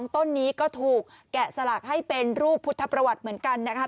ต้นนี้ก็ถูกแกะสลักให้เป็นรูปพุทธประวัติเหมือนกันนะคะ